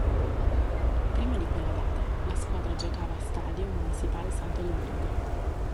Prima di quella data la squadra giocava stadio "Municipal Santo Domingo".